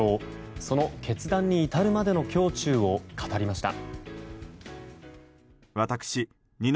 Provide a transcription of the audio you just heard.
その決断に至るまでの胸中を語りました。